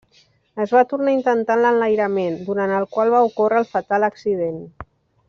Es va tornar a intentar l'enlairament, durant el qual va ocórrer el fatal accident.